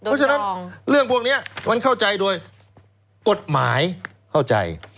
เพราะฉะนั้นเรื่องพวกนี้มันเข้าใจโดยกฎหมายเข้าใจ